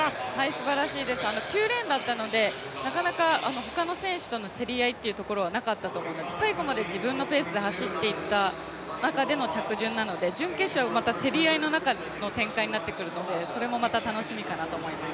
すばらしいです、９レーンだったので、なかなか他の選手との競り合いはなかったと思います、最後まで自分のペースで走って行った中での着順なので準決勝、また競り合いの中の展開になってくるのでそれもまた楽しみかなと思います。